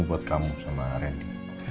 buat kamu sama reni